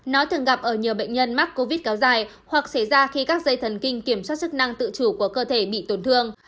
nó thường gặp ở nhiều bệnh nhân mắc covid kéo dài hoặc xảy ra khi các dây thần kinh kiểm soát chức năng tự chủ của cơ thể bị tổn thương